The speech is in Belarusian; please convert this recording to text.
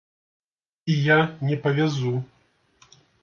І я не павязу.